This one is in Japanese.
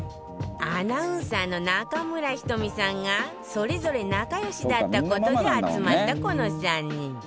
アナウンサーの中村仁美さんがそれぞれ仲良しだった事で集まったこの３人